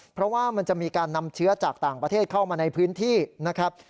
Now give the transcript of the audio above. เพราะว่ามันจะมีการนำเชื้อจากต่างประเทศเข้ามาในพื้นที่นะครับ